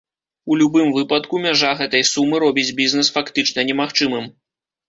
У любым выпадку, мяжа гэтай сумы робіць бізнэс фактычна немагчымым.